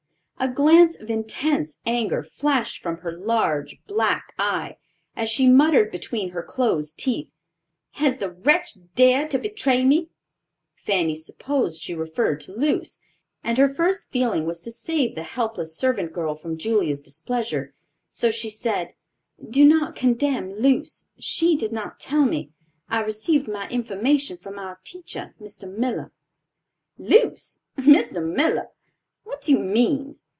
A glance of intense anger flashed from her large black eye, as she muttered between her closed teeth: "Has the wretch dared to betray me?" Fanny supposed she referred to Luce; and her first feeling was to save the helpless servant girl from Julia's displeasure; so she said, "Do not condemn Luce; she did not tell me. I received my information from our teacher, Mr. Miller." "Luce! Mr. Miller! What do you mean?"